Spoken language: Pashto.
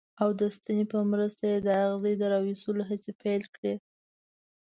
او د ستنې په مرسته یې د اغزي د را ویستلو هڅې پیل کړې.